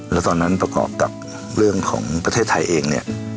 แล้วตอนนั้นประกอบกับเรื่องของประเทศไทยเองเนี่ย